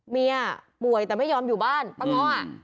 เมียป่วยแต่ไม่ยอมอยู่บ้านป้าง้อ